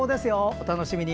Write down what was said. お楽しみに。